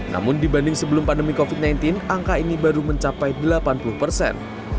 namun dibanding sebelum pandemi covid sembilan belas angka ini baru mencapai delapan puluh persen